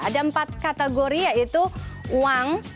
ada empat kategori yaitu uang